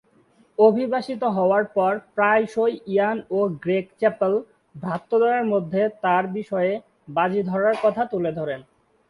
অভিবাসিত হবার পর প্রায়শঃই ইয়ান ও গ্রেগ চ্যাপেল ভ্রাতৃদ্বয়ের মধ্যে তার বিষয়ে বাজি ধরার কথা তুলে ধরেন।